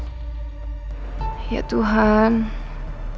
kenapa aku jadi ngerasa bersalah gini sih sama andi